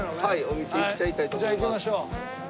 お店行っちゃいたいと思います。